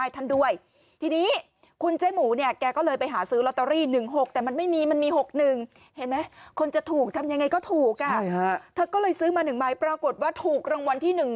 เธอก็เลยซื้อมาหนึ่งไม้ปรากฏว่าถูกรางวัลที่หนึ่ง